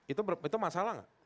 itu masalah nggak